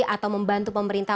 atau membantu pemerintah